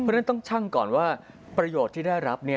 เพราะฉะนั้นต้องชั่งก่อนว่าประโยชน์ที่ได้รับ